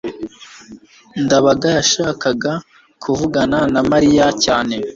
ndabaga yashakaga kuvugana na mariya cyane